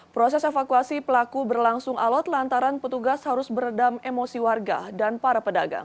proses evakuasi pelaku berlangsung alot lantaran petugas harus beredam emosi warga dan para pedagang